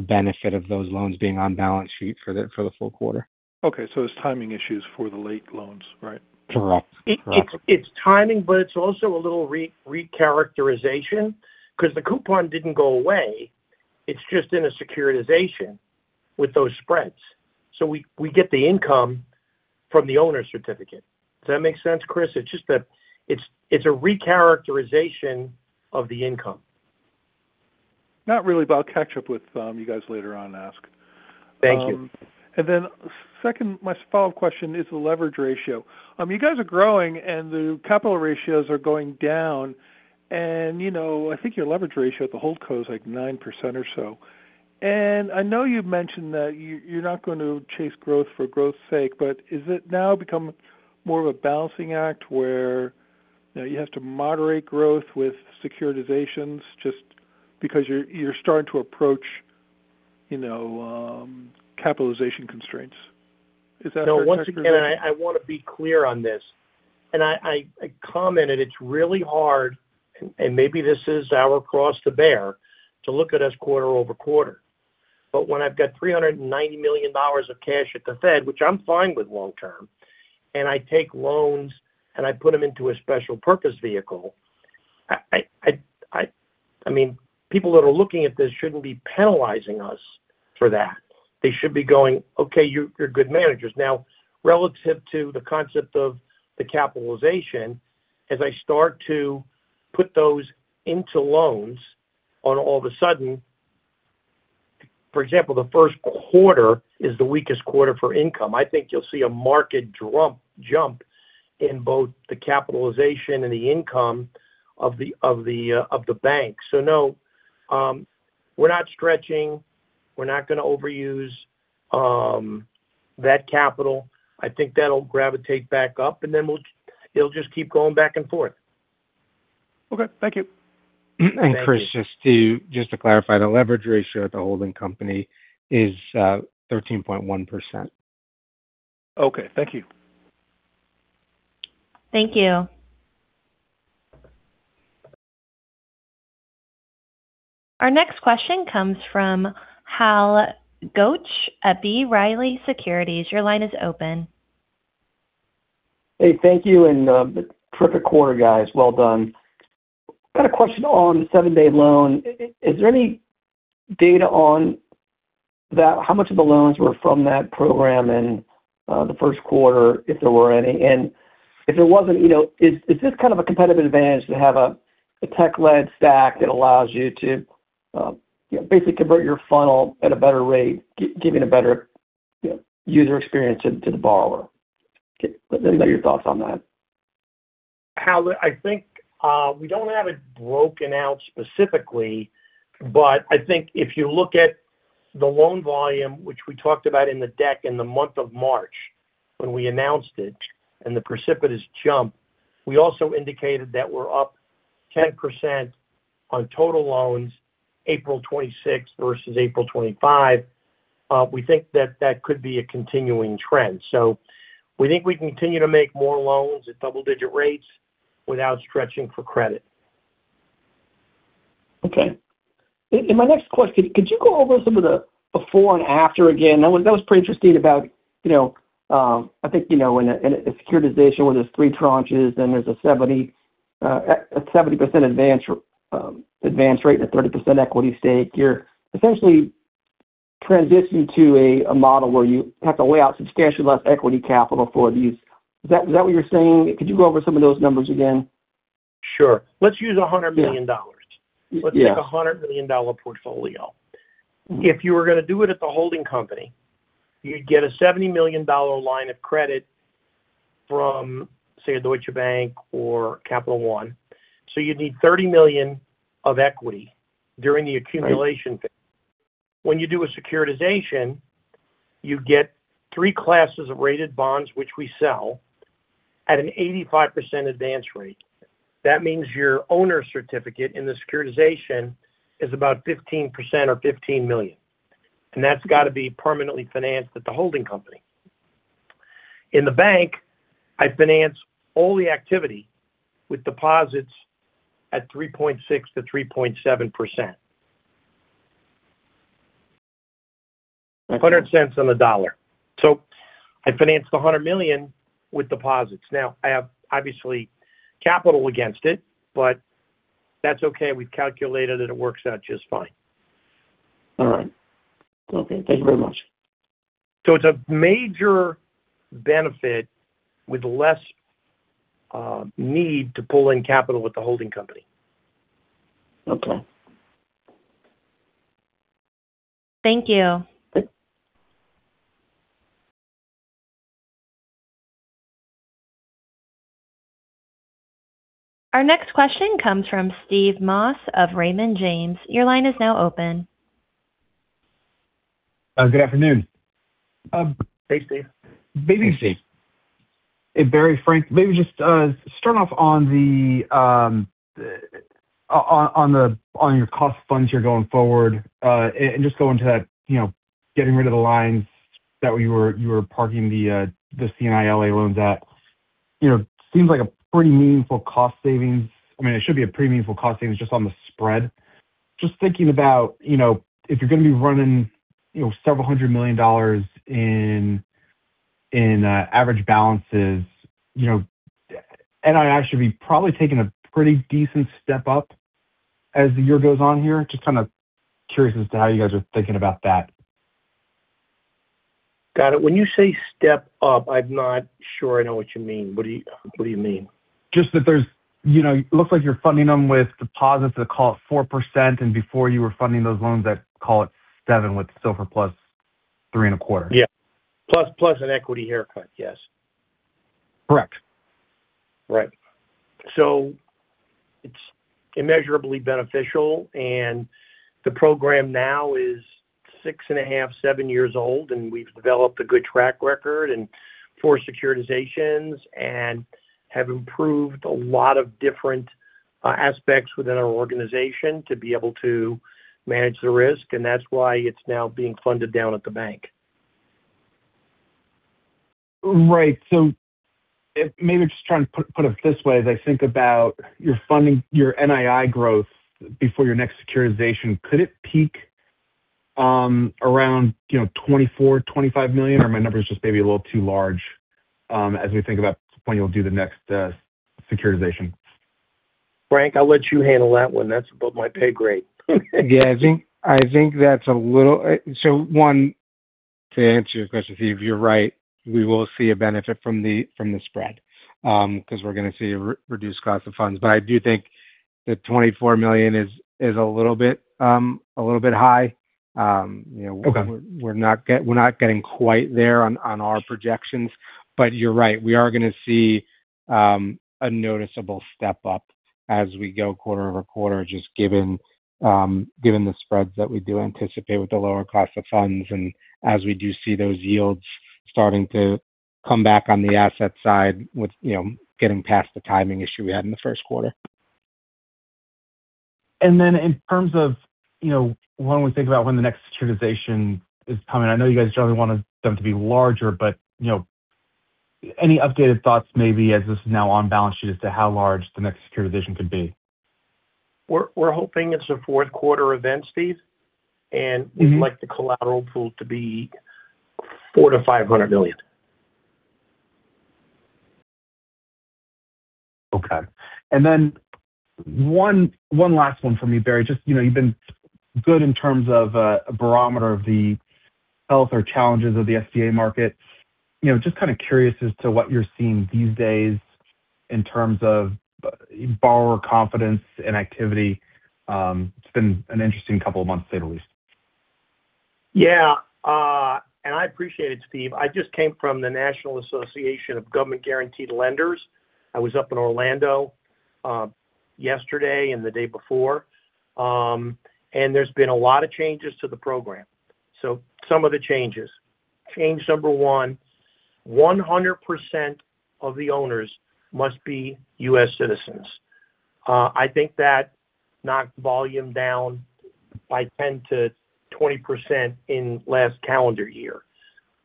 benefit of those loans being on balance sheet for the full quarter. Okay. It's timing issues for the late loans, right? Correct. It's timing, it's also a little recharacterization because the coupon didn't go away. It's just in a securitization with those spreads. We get the income from the owner's certificate. Does that make sense, Chris? It's just that it's a recharacterization of the income. Not really, but I'll catch up with you guys later on and ask. Thank you. Second, my follow-up question is the leverage ratio. You guys are growing and the capital ratios are going down and, you know, I think your leverage ratio at the hold co is like 9% or so. I know you've mentioned that you're not going to chase growth for growth's sake, but is it now become more of a balancing act where, you know, you have to moderate growth with securitizations just because you're starting to approach, you know, capitalization constraints? Is that fair to say? No. Once again, I want to be clear on this. I commented it's really hard, and maybe this is our cross to bear, to look at us quarter-over-quarter. When I've got $390 million of cash at the Fed, which I'm fine with long term, and I take loans and I put them into a special purpose vehicle, I mean, people that are looking at this shouldn't be penalizing us for that. They should be going, okay, you're good managers. Relative to the concept of the capitalization, as I start to put those into loans on all of a sudden. For example, the Q1 is the weakest quarter for income. I think you'll see a market jump in both the capitalization and the income of the bank. No, we're not stretching. We're not gonna overuse that capital. I think that'll gravitate back up, and then it'll just keep going back and forth. Okay. Thank you. Thank you. Chris, just to clarify, the leverage ratio at the holding company is 13.1%. Okay. Thank you. Thank you. Our next question comes from Hal Goetsch at B. Riley Securities. Your line is open. Thank you, terrific quarter, guys. Well done. Got a question on the 7(a) loan. Is there any data on about how much of the loans were from that program in the Q1, if there were any? If there wasn't, you know, is this kind of a competitive advantage to have a tech-led stack that allows you to, you know, basically convert your funnel at a better rate, giving a better, you know, user experience to the borrower? Let me know your thoughts on that. Hal, I think, we don't have it broken out specifically. I think if you look at the loan volume, which we talked about in the deck in the month of March, when we announced it and the precipitous jump, we also indicated that we're up 10% on total loans April 26 versus April 25. We think that that could be a continuing trend. We think we can continue to make more loans at double-digit rates without stretching for credit. Okay. In my next question, could you go over some of the before and after again? That was pretty interesting about, you know, I think, you know, in a securitization where there's three tranches and there's a 70% advance rate and a 30% equity stake. You're essentially transitioning to a model where you have to weigh out substantially less equity capital for these. Is that what you're saying? Could you go over some of those numbers again? Sure. Let's use $100 million. Yeah. Yeah. Let's take a $100 million portfolio. If you were gonna do it at the holding company, you'd get a $70 million line of credit from, say, Deutsche Bank or Capital One. You'd need $30 million of equity during the accumulation phase. When you do a securitization, you get three classes of rated bonds, which we sell at an 85% advance rate. That means your owner certificate in the securitization is about 15% or $15 million, and that's got to be permanently financed at the holding company. In the bank, I finance all the activity with deposits at 3.6%-3.7%. Okay. $1.00 on the dollar. I financed $100 million with deposits. I have obviously capital against it, but that's okay. We've calculated it. It works out just fine. All right. Okay. Thank you very much. It's a major benefit with less need to pull in capital with the holding company. Okay. Thank you. Okay. Our next question comes from Steve Moss of Raymond James. Your line is now open. Good afternoon. Hey, Steve. Hey, Barry, Frank. Maybe just start off on the cost of funds here going forward and just go into that, you know, getting rid of the lines that you were parking the C&I LA loans at. You know, seems like a pretty meaningful cost savings. I mean, it should be a pretty meaningful cost savings just on the spread. Just thinking about, you know, if you're gonna be running, you know, several hundred million dollars in average balances, you know, NII should be probably taking a pretty decent step up as the year goes on here. Just kind of curious as to how you guys are thinking about that. Got it. When you say step up, I'm not sure I know what you mean. What do you mean? You know, it looks like you're funding them with deposits that cost 4%, and before you were funding those loans at, call it 7%, with SOFR +3.25%. Yeah. Plus an equity haircut. Yes. Correct. Right. It's immeasurably beneficial. The program now is six and a half, seven years old, and we've developed a good track record and four securitizations and have improved a lot of different aspects within our organization to be able to manage the risk, and that's why it's now being funded down at the bank. Right. Maybe just trying to put it this way. As I think about your funding, your NII growth before your next securitization, could it peak around, you know, $24 million-$25 million, or are my numbers just maybe a little too large as we think about when you'll do the next securitization? Frank, I'll let you handle that one. That's above my pay grade. Yeah. I think that's a little. One, to answer your question, Steve, you're right. We will see a benefit from the spread, 'cause we're gonna see a reduced cost of funds. I do think the $24 million is a little bit high. You know. Okay we're not getting quite there on our projections. You're right. We are gonna see a noticeable step up as we go quarter-over-quarter, just given given the spreads that we do anticipate with the lower cost of funds and as we do see those yields starting to come back on the asset side with, you know, getting past the timing issue we had in the Q1. In terms of, you know, when we think about when the next securitization is coming, I know you guys generally want them to be larger, but, you know, any updated thoughts maybe as this is now on balance sheet as to how large the next securitization could be? We're hoping it's a Q4 event, Steve. Mm-hmm. We'd like the collateral pool to be $400 million-$500 million. Okay. One last one for me, Barry. Just, you know, you've been good in terms of a barometer of the health or challenges of the SBA market. You know, just kind of curious as to what you're seeing these days in terms of borrower confidence and activity. It's been an interesting couple of months to say the least. Yeah. I appreciate it, Steve. I just came from the National Association of Government Guaranteed Lenders. I was up in Orlando yesterday and the day before. There's been a lot of changes to the program. Some of the changes. Change number 1, 100% of the owners must be U.S. citizens. I think that knocked volume down by 10%-20% in last calendar year.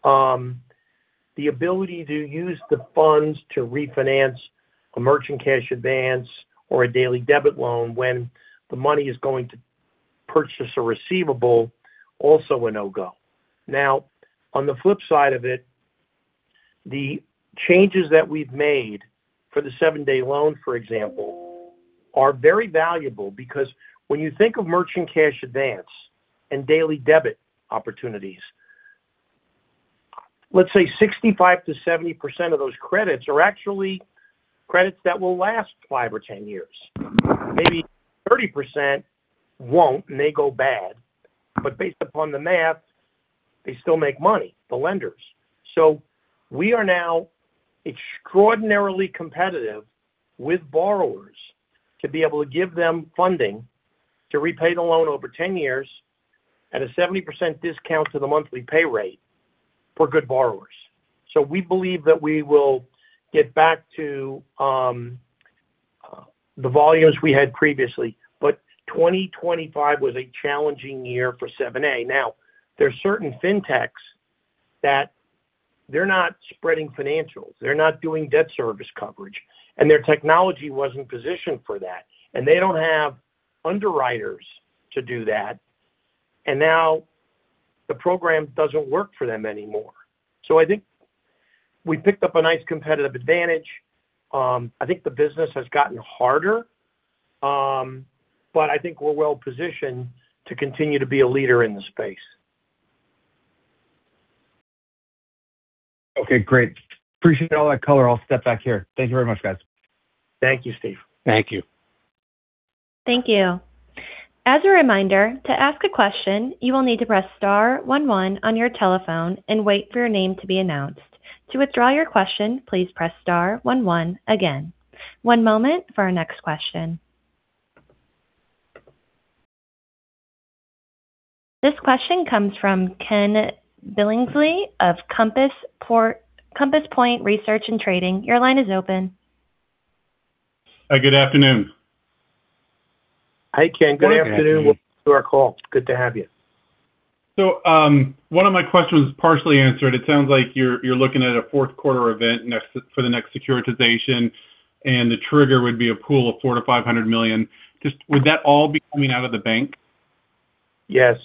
The ability to use the funds to refinance a merchant cash advance or a daily debit loan when the money is going to purchase a receivable, also a no-go. On the flip side of it, the changes that we've made for the 7(a) loan, for example, are very valuable because when you think of merchant cash advance and daily debit opportunities, let's say 65%-70% of those credits are actually credits that will last five or 10 years. Maybe 30% won't, and they go bad. Based upon the math, they still make money, the lenders. We are now extraordinarily competitive with borrowers to be able to give them funding to repay the loan over 10 years at a 70% discount to the monthly pay rate for good borrowers. We believe that we will get back to the volumes we had previously. 2025 was a challenging year for 7(a) loan. Now, there are certain fintechs that they're not spreading financials, they're not doing debt service coverage, and their technology wasn't positioned for that. They don't have underwriters to do that. Now the program doesn't work for them anymore. I think we picked up a nice competitive advantage. I think the business has gotten harder. I think we're well-positioned to continue to be a leader in the space. Okay, great. Appreciate all that color. I'll step back here. Thank you very much, guys. Thank you, Steve. Thank you. Thank you. As a reminder, to ask a question, you will need to press star one one on your telephone and wait for your name to be announced. To withdraw your question, please press star one one again. One moment for our next question. This question comes from Ken Billingsley of Compass Point Research & Trading. Your line is open. Hi, good afternoon. Hi, Ken. Good afternoon. Welcome to our call. Good to have you. One of my questions was partially answered. It sounds like you're looking at a Q4 event next for the next securitization, and the trigger would be a pool of $400 million-$500 million. Just would that all be coming out of the bank? Yes.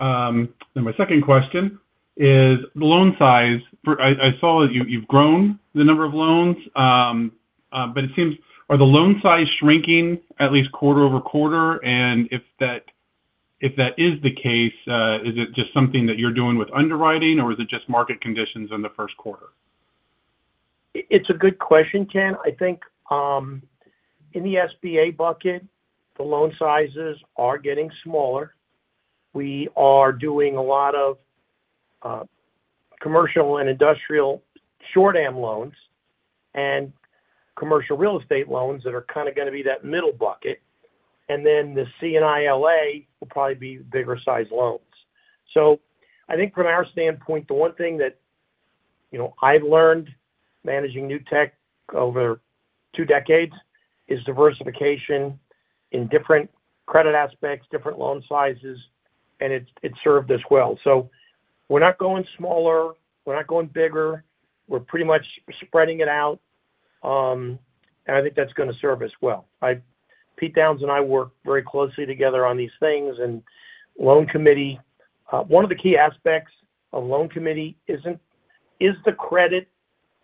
My second question is the loan size. I saw you've grown the number of loans. It seems are the loan size shrinking at least quarter-over-quarter? If that is the case, is it just something that you're doing with underwriting or is it just market conditions in the Q1? It's a good question, Ken. I think in the SBA bucket, the loan sizes are getting smaller. We are doing a lot of short-am C&I loans and CRE loans that are kinda gonna be that middle bucket. The C&I LA will probably be bigger size loans. I think from our standpoint, the one thing that, you know, I've learned managing NewtekOne over two decades is diversification in different credit aspects, different loan sizes, and it served us well. We're not going smaller, we're not going bigger. We're pretty much spreading it out. I think that's gonna serve us well. Peter Downs and I work very closely together on these things. One of the key aspects of loan committee is the credit.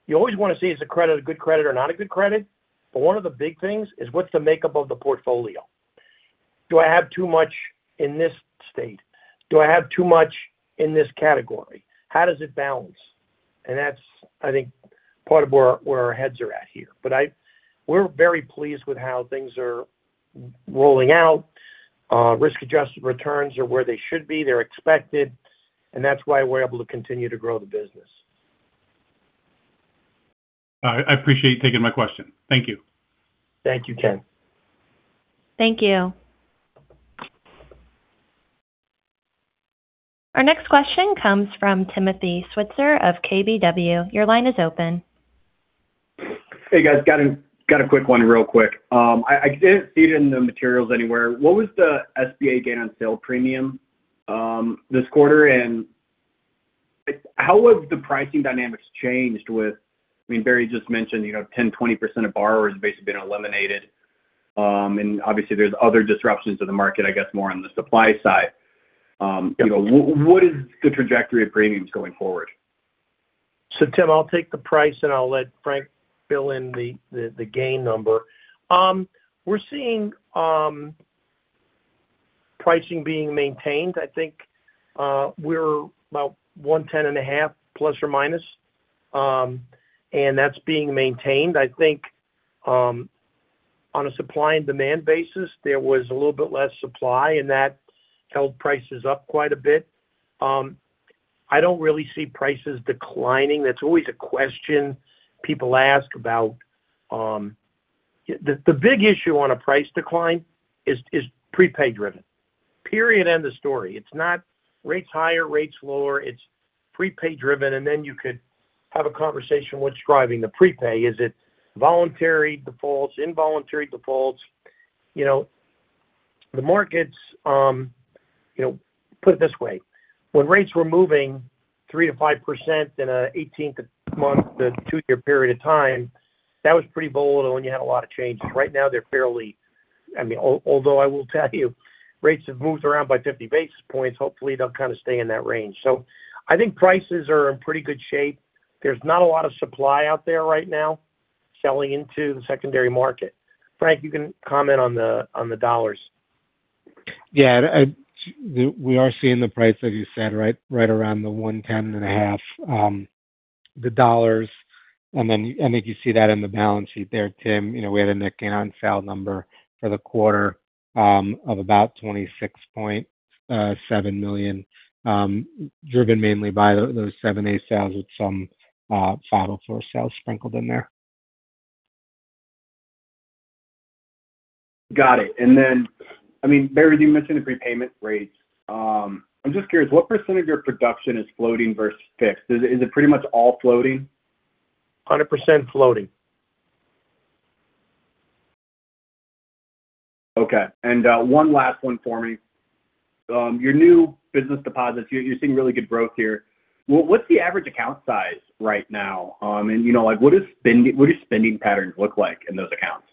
You always wanna see is the credit a good credit or not a good credit. One of the big things is what's the makeup of the portfolio? Do I have too much in this state? Do I have too much in this category? How does it balance? That's, I think, part of where our heads are at here. We're very pleased with how things are rolling out. Risk-adjusted returns are where they should be, they're expected, and that's why we're able to continue to grow the business. All right. I appreciate you taking my question. Thank you. Thank you, Ken. Thank you. Our next question comes from Tim Switzer of KBW. Your line is open. Hey, guys. Got a quick one real quick. I didn't see it in the materials anywhere. What was the SBA gain on sale premium this quarter? How have the pricing dynamics changed with... I mean, Barry just mentioned, you know, 10%, 20% of borrowers have basically been eliminated. Obviously, there's other disruptions to the market, I guess, more on the supply side. You know, what is the trajectory of premiums going forward? Tim, I'll take the price, and I'll let Frank fill in the gain number. We're seeing pricing being maintained. I think we're about one 10.5±. That's being maintained. I think on a supply and demand basis, there was a little bit less supply, and that held prices up quite a bit. I don't really see prices declining. That's always a question people ask about. The big issue on a price decline is prepaid driven. Period, end of story. It's not rates higher, rates lower. It's prepaid driven. You could have a conversation, what's driving the prepay? Is it voluntary defaults, involuntary defaults? The markets. Put it this way. When rates were moving 3%-5% in an 18-month to two-year period of time, that was pretty bold when you had a lot of changes. Right now, they're fairly, I mean, although I will tell you, rates have moved around by 50 basis points. Hopefully, they'll kind of stay in that range. I think prices are in pretty good shape. There's not a lot of supply out there right now selling into the secondary market. Frank, you can comment on the dollars. We are seeing the price, as you said, right around the $110.5. I think you see that in the balance sheet there, Tim. You know, we had a gain on sale number for the quarter of about $26.7 million, driven mainly by those 7(a) sales with some secondary source sales sprinkled in there. Got it. I mean, Barry, you mentioned the prepayment rates. I'm just curious, what % of your production is floating versus fixed? Is it pretty much all floating? 100% floating. Okay. One last one for me. Your new business deposits, you're seeing really good growth here. What's the average account size right now? You know, like, what do spending patterns look like in those accounts?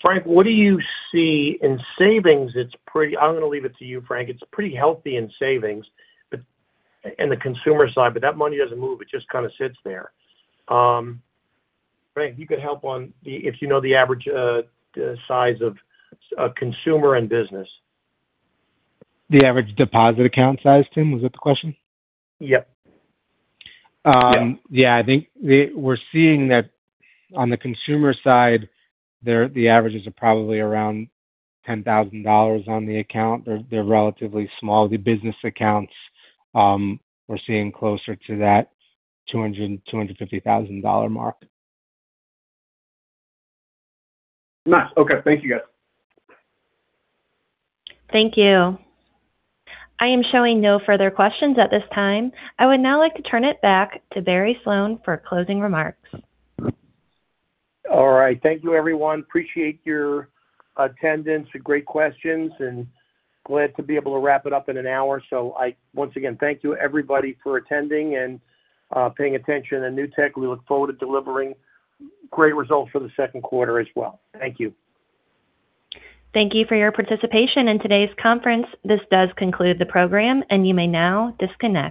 Frank, what do you see in savings? I'm gonna leave it to you, Frank. It's pretty healthy in savings, but in the consumer side. That money doesn't move, it just kinda sits there. Frank, you could help if you know the average size of consumer and business. The average deposit account size, Tim? Was that the question? Yep. Um- Yeah. Yeah. I think we're seeing that on the consumer side, the averages are probably around $10,000 on the account. They're relatively small. The business accounts, we're seeing closer to that $250,000 mark. Nice. Okay. Thank you, guys. Thank you. I am showing no further questions at this time. I would now like to turn it back to Barry Sloane for closing remarks. All right. Thank you, everyone. Appreciate your attendance. Great questions, and glad to be able to wrap it up in an hour. Once again, thank you everybody for attending and paying attention to Newtek. We look forward to delivering great results for the Q2 as well. Thank you. Thank you for your participation in today's conference. This does conclude the program, and you may now disconnect.